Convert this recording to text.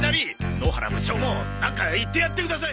野原部長もなんか言ってやってください！